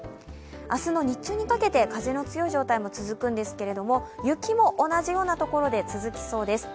明日の日中にかけて風の強い状態、続くんですけれど雪も同じようなところで続きそうです。